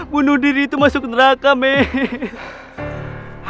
bunuh diri itu masuk neraka mah